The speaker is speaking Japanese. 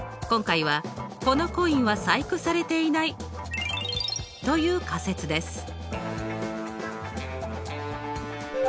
今回は「このコインは細工されている」が対立仮説です。